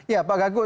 ya pak gaguk